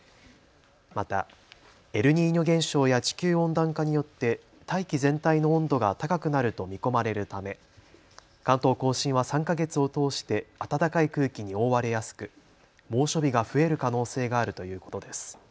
また、エルニーニョ現象や地球温暖化によって大気全体の温度が高くなると見込まれるため関東甲信は３か月を通して暖かい空気に覆われやすく猛暑日が増える可能性があるということです。